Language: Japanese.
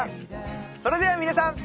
それでは皆さん。